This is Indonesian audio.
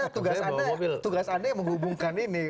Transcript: tugas anda yang menghubungkan ini